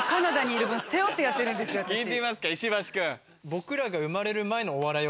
聞いてみますか石橋君。